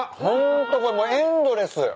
ホントこれもうエンドレス。